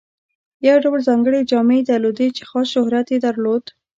یو ډول ځانګړې جامې یې درلودې چې خاص شهرت یې درلود.